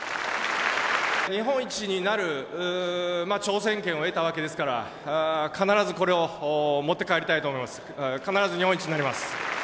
日本一になる挑戦権を得たわけですから、必ずこれを持って帰りたいと思います。